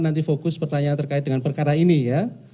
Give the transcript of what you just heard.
nanti fokus pertanyaan terkait dengan perkara ini ya